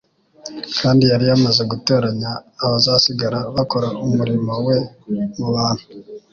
Kandi yari yamaze gutoranya abazasigara bakora umurimo we mu bantu